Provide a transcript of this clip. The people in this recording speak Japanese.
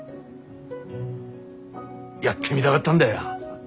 やってみだがったんだよ